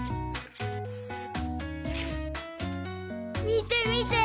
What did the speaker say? みてみて！